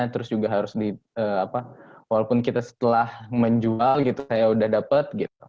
terus juga harus di apa walaupun kita setelah menjual gitu saya udah dapet gitu